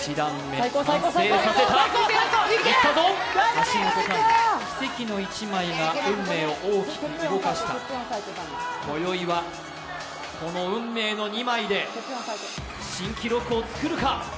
１段目完成させた、いったぞ、橋本環奈奇跡の１枚が運命を大きく動かしたこよいはこの運命の２枚で新記録をつくるか。